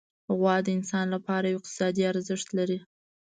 غوا د انسان لپاره یو اقتصادي ارزښت لري.